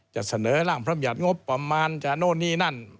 จะเสนอร่างพรรมยัติงบประมาณจะโน่นนี่นั่น